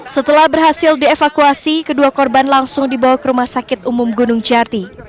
setelah berhasil dievakuasi kedua korban langsung dibawa ke rumah sakit umum gunung jati